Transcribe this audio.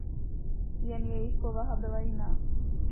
Jen jejich povaha byla jiná.